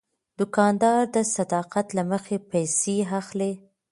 دوکاندار د صداقت له مخې پیسې اخلي.